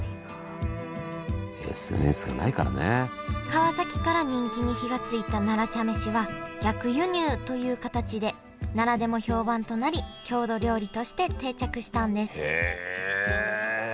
川崎から人気に火がついた奈良茶飯は逆輸入という形で奈良でも評判となり郷土料理として定着したんですへえ。